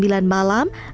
hari ini berlangsung